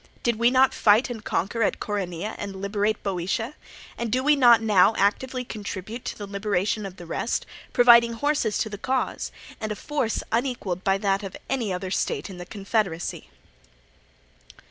Did not we fight and conquer at Coronea and liberate Boeotia, and do we not now actively contribute to the liberation of the rest, providing horses to the cause and a force unequalled by that of any other state in the confederacy?